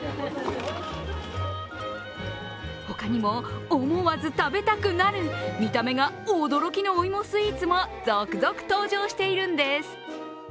他にも、思わず食べたくなる見た目が驚きのお芋スイーツも続々登場しているんです。